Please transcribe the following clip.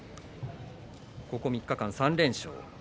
ここ３日間、３連勝です。